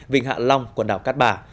vịnh hạ long quần đảo cát bà